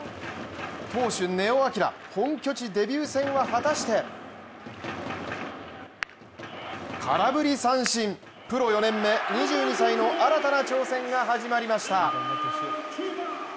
投手・根尾昂本拠地デビュー戦は果たして空振り三振、プロ４年目、２２歳の新たな挑戦が始まりました。